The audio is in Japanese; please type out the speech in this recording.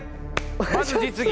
まず実技。